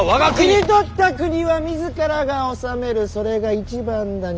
切り取った国は自らが治めるそれが一番だに。